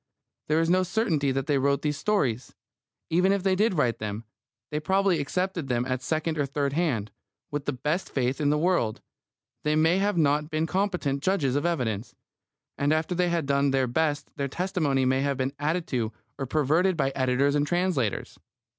There is no certainty that they wrote these stories. Even if they did write them, they probably accepted them at second or third hand. With the best faith in the world, they may not have been competent judges of evidence. And after they had done their best their testimony may have been added to or perverted by editors and translators.